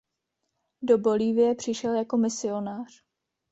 Do Bolívie přišel jako misionář.